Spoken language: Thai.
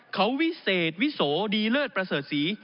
เขาวิเศษวิโสดีเลิศประเสริฐศรี